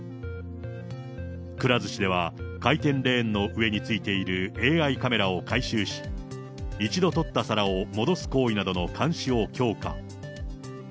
くら寿司では、回転レーンの上についているＡＩカメラを改修し、一度取った皿を戻す行為などの監視を強化。